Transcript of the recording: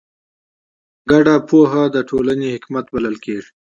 ګډه پوهه د ټولنې حکمت بلل کېږي.